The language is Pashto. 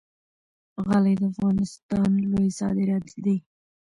غالۍ د افغانستان لوی صادرات دي